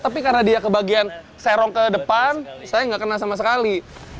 tapi karena dia kebagian serong ke depan saya nggak kena sama sekali